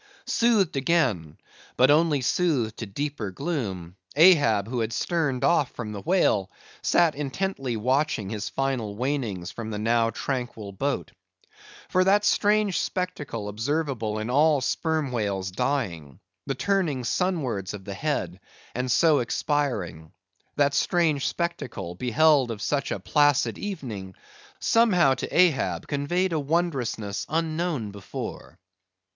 Soothed again, but only soothed to deeper gloom, Ahab, who had sterned off from the whale, sat intently watching his final wanings from the now tranquil boat. For that strange spectacle observable in all sperm whales dying—the turning sunwards of the head, and so expiring—that strange spectacle, beheld of such a placid evening, somehow to Ahab conveyed a wondrousness unknown before.